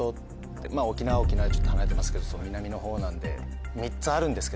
まぁ沖縄は沖縄でちょっと離れてますけど南の方なんで。